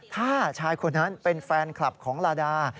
ถ้าชายคนนั้นเป็นแฟนคลับของลาดา